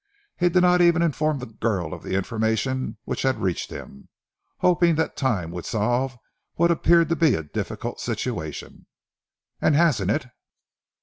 He did not even inform the girl of the information which had reached him, hoping that time would solve what appeared to be a difficult situation." "And hasn't it?"